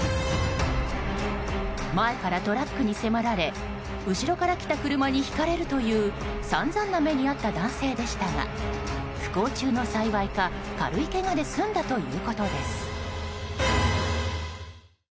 前からトラックに迫られ後ろから来た車にひかれるという散々な目に遭った男性でしたが不幸中の幸いか、軽いけがで済んだということです。